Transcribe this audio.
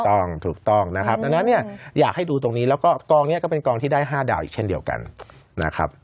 ถูกต้องถูกต้องนะครับดังนั้นเนี่ยอยากให้ดูตรงนี้แล้วก็กองนี้ก็เป็นกองที่ได้๕ดาวอีกเช่นเดียวกันนะครับ